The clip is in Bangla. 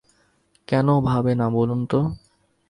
কেন ভাবে না বলুন তো?